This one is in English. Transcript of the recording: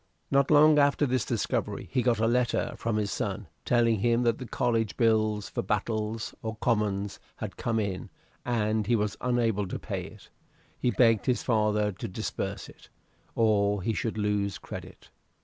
Not long after this discovery he got a letter from his son, telling him that the college bill for battels, or commons, had come in, and he was unable to pay it; he begged his father to disburse it, or he should lose credit.